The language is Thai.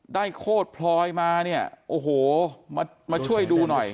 โคตรพลอยมาเนี่ยโอ้โหมาช่วยดูหน่อย